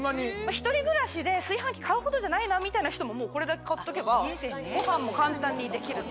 １人暮らしで炊飯器買うほどじゃないなみたいな人もこれだけ買っとけばご飯も簡単にできるという。